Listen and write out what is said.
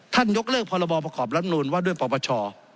ท่านยกเลิกพลประขอบรัฐนวลว่าด้วยปปช